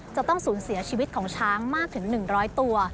จะต้องสูญเสียชีวิตของช้างมากถึง๑๐๐ตัว